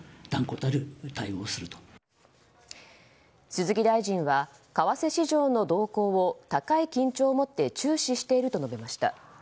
鈴木大臣は為替市場の動向を高い緊張を持って注視していると述べました。